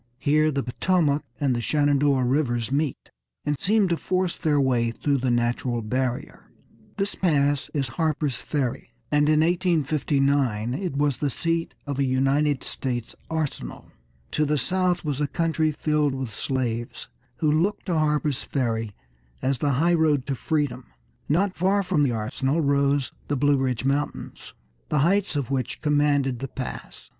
Here the Potomac and the Shenandoah Rivers meet, and seem to force their way through the natural barrier. This pass is Harper's Ferry, and in 1859 it was the seat of a United States arsenal. To the south was a country filled with slaves, who looked to Harper's Ferry as the highroad to freedom. Not far from the arsenal rose the Blue Ridge Mountains, the heights of which commanded the pass.